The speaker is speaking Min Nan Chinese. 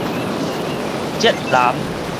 浙南